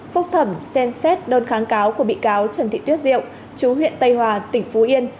phúc thẩm xem xét đơn kháng cáo của bị cáo trần thị tuyết diệu chú huyện tây hòa tỉnh phú yên